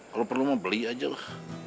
kalau perlu mau beli aja lah